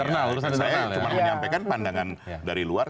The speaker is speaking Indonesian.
saya cuma menyampaikan pandangan dari luar